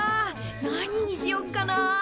何にしよっかなあ？